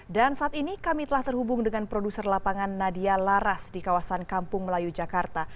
dan saat ini kami telah terhubung dengan produser lapangan nadia laras di kawasan kampung melayu jakarta